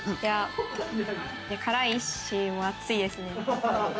辛いし、暑いですね。